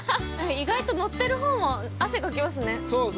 ◆意外と乗っているほうも、汗かきますね。